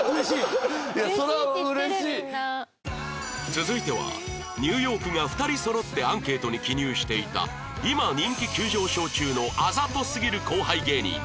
続いてはニューヨークが２人そろってアンケートに記入していた今人気急上昇中のあざとすぎる後輩芸人